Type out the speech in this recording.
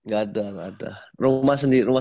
gak ada gak ada rumah saudara